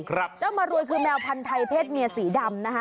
เจ้ามารวยคือแมวพันธัยเพศเมียสีดำนะคะ